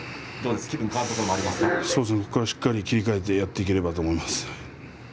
ここからしっかり切り替えてやっていければと思います。